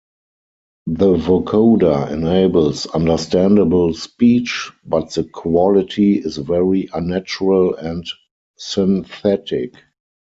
The vocoder enables understandable speech, but the quality is very unnatural and synthetic.